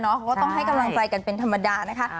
เขาก็ต้องให้กำลังใจกันเป็นธรรมดานะคะ